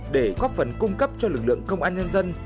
để góp phần cung cấp cho lực lượng công an nhân dân